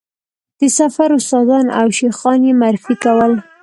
د سفر استادان او شیخان یې معرفي کول.